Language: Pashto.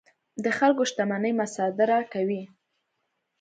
د خلکو شتمنۍ مصادره کوي.